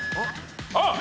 あっ！